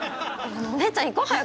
お姉ちゃん行こう早く！